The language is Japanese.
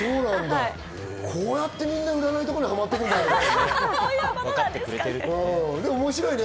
こうやってみんな占いとかにハマってくんだね。